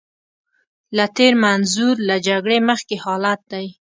له تېر منظور له جګړې مخکې حالت دی.